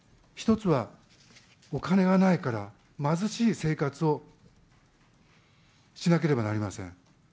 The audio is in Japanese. １つは、お金がないから、貧しい生活をしなければなりません。